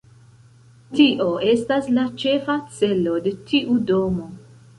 Tio estas la ĉefa celo de tiu domo.